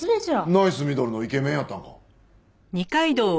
ナイスミドルのイケメンやったんか？